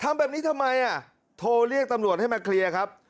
ทำแบบนี้ทำไมอ่ะโทรเรียกตำรวจให้มาเคลียร์ครับ